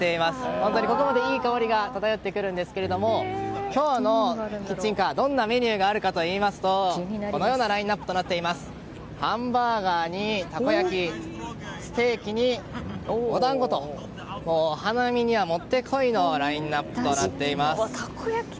本当に、ここまでいい香りが漂ってくるんですけれども今日のキッチンカーどんなメニューがあるかといいますとハンバーガーやたこ焼きステーキにお団子とお花見にはもってこいのラインアップとなっています。